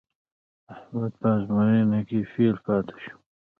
احمد په ازموینه کې فېل پاتې شو.